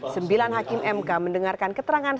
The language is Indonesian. sembilan hakim mk mendengarkan keterangan